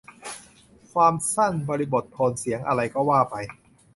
ความสั้น บริบท โทนเสียง อะไรก็ว่าไป